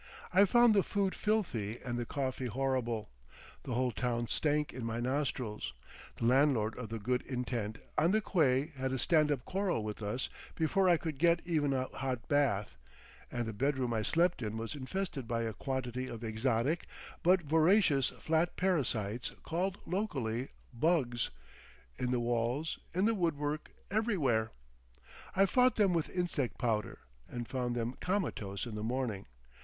I found the food filthy and the coffee horrible; the whole town stank in my nostrils, the landlord of the Good Intent on the quay had a stand up quarrel with us before I could get even a hot bath, and the bedroom I slept in was infested by a quantity of exotic but voracious flat parasites called locally "bugs," in the walls, in the woodwork, everywhere. I fought them with insect powder, and found them comatose in the morning.